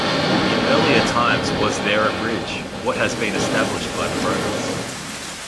In earlier times was there a bridge, what has been established by the Romans.